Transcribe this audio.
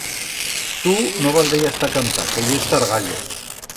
Tu no valdrías ta cantar que yes zargallo.